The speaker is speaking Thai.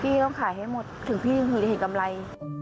พี่ต้องขายให้หมดถึงพี่ถึงถือถิ่นกำไร